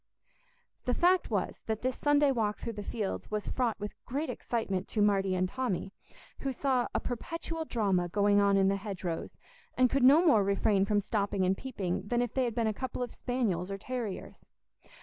The fact was that this Sunday walk through the fields was fraught with great excitement to Marty and Tommy, who saw a perpetual drama going on in the hedgerows, and could no more refrain from stopping and peeping than if they had been a couple of spaniels or terriers.